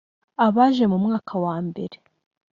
abaje mu mwaka wa mbere